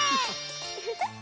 ウフフ！